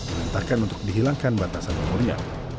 perintahkan untuk dihilangkan batasan umurnya